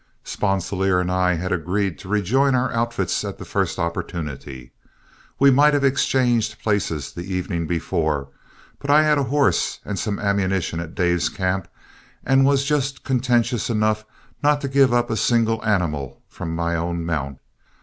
Sponsilier and I had agreed to rejoin our own outfits at the first opportunity. We might have exchanged places the evening before, but I had a horse and some ammunition at Dave's camp and was just contentious enough not to give up a single animal from my own mount.